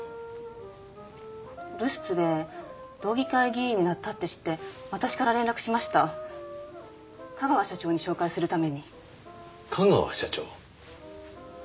留寿都で道議会議員になったって知って私から連絡しました香川社長に紹介するために香川社長？